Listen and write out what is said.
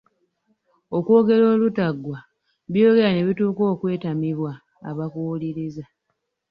Okwogera olutaggwa byoyogera ne bituuka okwetamibwa abakuwuliriza.